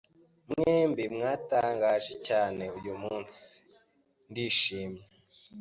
Mwembi mwatangaje cyane uyumunsi. Ndishimye.